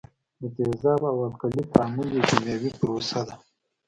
د تیزاب او القلي تعامل یو کیمیاوي پروسه ده.